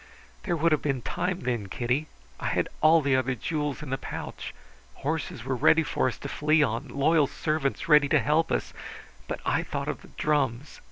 There would have been time then, Kitty. I had all the other jewels in the pouch. Horses were ready for us to flee on, loyal servants ready to help us; but I thought of the drums.